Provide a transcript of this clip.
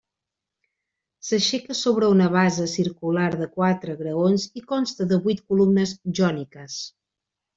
S'aixeca sobre una base circular de quatre graons i consta de vuit columnes jòniques.